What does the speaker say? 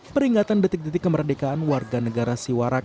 peringatan detik detik kemerdekaan warga negara siwarak